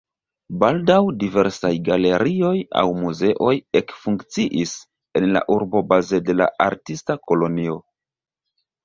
Baldaŭ diversaj galerioj aŭ muzeoj ekfunkciis en la urbo baze de la artista kolonio.